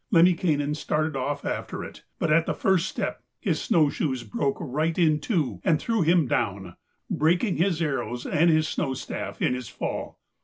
Lemminkainen started off after it, but at the first step his snow shoes broke right in two and threw him down, breaking his arrows and his snow staff in his fall.